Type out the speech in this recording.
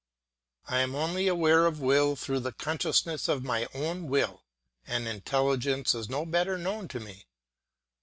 I am only aware of will through the consciousness of my own will, and intelligence is no better known to me.